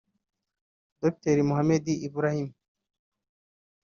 Dr Mohammed Ibrahim